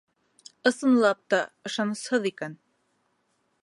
Ысынлап та, ышанысһыҙ икән.